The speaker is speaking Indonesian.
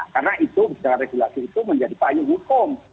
karena itu kebijakan regulasi itu menjadi payung hukum